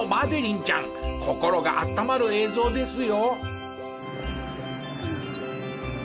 心が温まる映像ですよ。